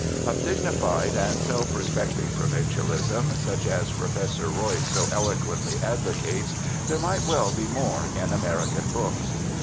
Of dignified and self respecting provincialism, such as Professor Royce so eloquently advocates, there might well be more in American books.